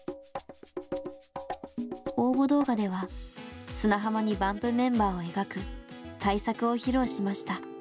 応募動画では砂浜にＢＵＭＰメンバーを描く大作を披露しました。